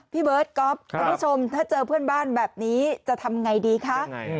พี่เบิร์ตก๊อฟคุณผู้ชมถ้าเจอเพื่อนบ้านแบบนี้จะทำไงดีคะ